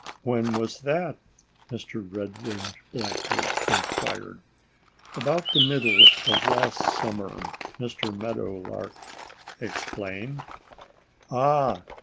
"When was that?" Mr. Red winged Blackbird inquired. "About the middle of last summer!" Mr. Meadowlark explained. "Ah!